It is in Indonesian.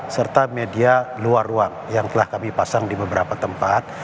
serta media luar ruang yang telah kami pasang di beberapa tempat